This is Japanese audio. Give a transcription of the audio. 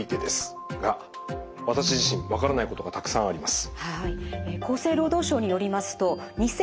が私自身分からないことがたくさんあります。